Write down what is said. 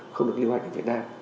không được liêu hành ở việt nam